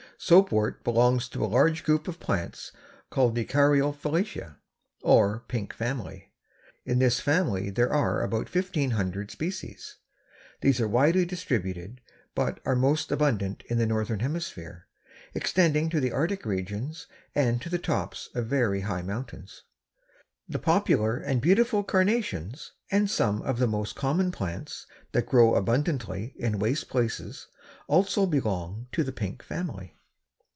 Soapwort belongs to a large group of plants called the Caryophyllaceæ, or pink family. In this family there are about fifteen hundred species. These are widely distributed, but are most abundant in the Northern Hemisphere, extending to the Arctic regions and to the tops of very high mountains. The popular and beautiful carnations and some of the most common plants that grow abundantly in waste places also belong to the pink family.